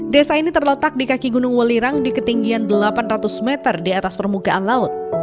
desa ini terletak di kaki gunung welirang di ketinggian delapan ratus meter di atas permukaan laut